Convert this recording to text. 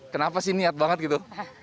kenapa sih niat banget gitu